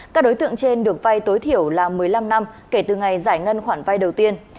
các đối tượng trên được vai tối thiểu là một mươi năm năm kể từ ngày giải ngân khoản vay đầu tiên